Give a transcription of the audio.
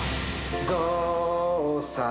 ぞうさん